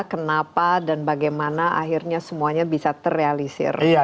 kenapa dan bagaimana akhirnya semuanya bisa terrealisir